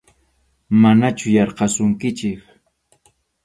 Manachu yarqasunkichik.